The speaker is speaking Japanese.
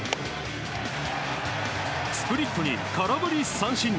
スプリットに空振り三振。